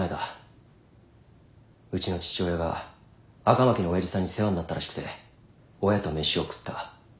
うちの父親が赤巻の親父さんに世話になったらしくて親と飯を食った。